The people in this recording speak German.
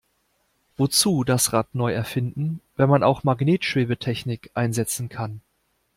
Wozu das Rad neu erfinden, wenn man auch Magnetschwebetechnik einsetzen kann?